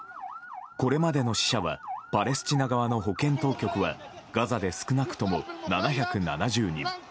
これまでの死者はパレスチナ側の保健当局はガザで、少なくとも７７０人。